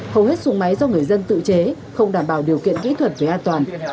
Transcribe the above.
hầu hết xuồng máy do người dân tự chế không đảm bảo điều kiện kỹ thuật về an toàn